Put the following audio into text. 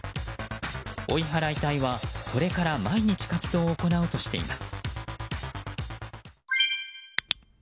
追い払い隊は、これから毎日活動を行うとしています。